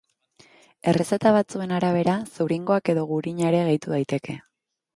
Errezeta batzuen arabera, zuringoak edo gurina ere gehitu daiteke.